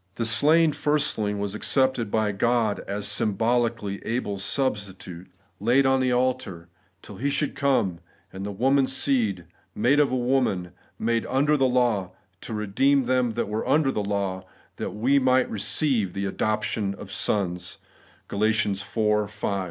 The slain firstling was accepted by God as, symbolically, Abel's substitute, laid on the altar, till He should come, the ' woman's seed,' ' made of a woman, made under the law, to redeem them that were under the law, that we might re ceive the adoption of sons ' (GaL iv.